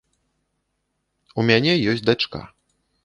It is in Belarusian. У мяне ёсць дачка.